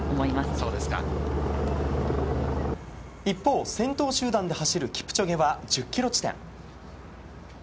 一方先頭集団で走るキプチョゲは１０ｋｍ地点。